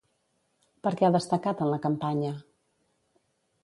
Per què ha destacat en la campanya?